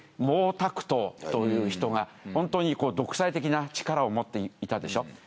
毛沢東という人がホントに独裁的な力を持っていたでしょ。